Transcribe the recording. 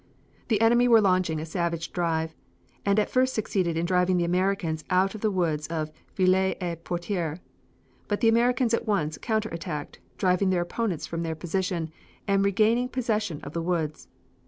The enemy were launching a savage drive, and at first succeeded in driving the Americans out of the woods of Veuilly la Poterie. But the Americans at once counter attacked, driving their opponents from their position, and regaining possession of the woods.